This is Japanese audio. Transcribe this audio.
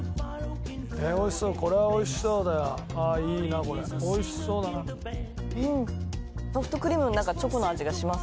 おいしそうこれはおいしそうだよいいなこれおいしそうだながします